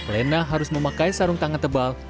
lena harus memakai sarung tangan tebal